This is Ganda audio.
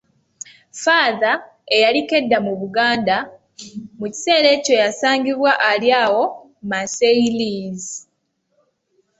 Father, eyaliko edda mu Buganda, mu kiseera ekyo yasangibwa ali awo Marseilles.